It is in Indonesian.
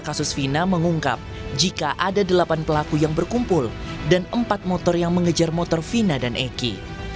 kasus vina mengungkap jika ada delapan pelaku yang berkumpul dan empat motor yang mengejar motor vina dan eki